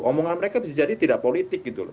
omongan mereka bisa jadi tidak politik gitu loh